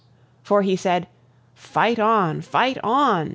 For he said, "Fight on! fight on!"